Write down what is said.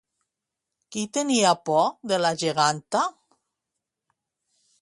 Qui tenia por de la geganta?